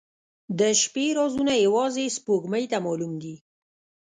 • د شپې رازونه یوازې سپوږمۍ ته معلوم دي.